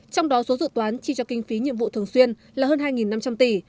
trong đó số dự toán chi cho kinh phí nhiệm vụ thường xuyên là hơn hai năm trăm linh tỷ